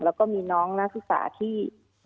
แล้วก็มีน้องนักศึกษาที่